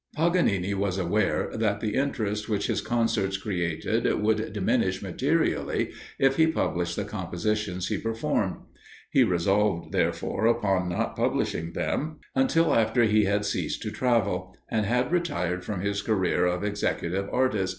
Paganini was aware that the interest which his concerts created would diminish materially, if he published the compositions he performed. He resolved therefore upon not publishing them until after he had ceased to travel, and had retired from his career of executive artist.